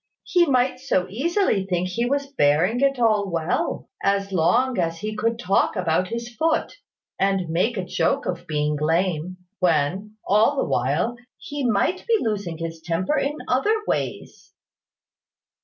He might so easily think he was bearing it all well, as long as he could talk about his foot, and make a joke of being lame, when, all the while, he might be losing his temper in other ways."